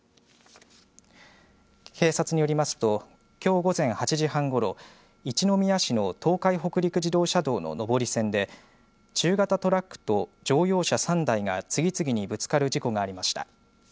警察によりますときょう午前８時半ごろ一宮市の東海北陸自動車道の上り線で中型トラックと乗用車３台が次々にぶつかる事故がありました。